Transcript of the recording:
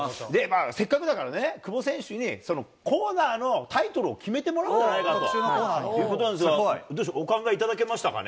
せっかくだからね、久保選手に、そのコーナーのタイトルを決めてもらおうじゃないかということなんですけど、どうでしょう、お考えいただけましたかね。